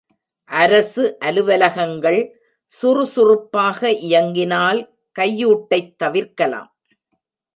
அரசு அலுவலகங்கள் சுறுசுறுப்பாக இயங்கினால் கையூட்டைத் தவிர்க்கலாம்.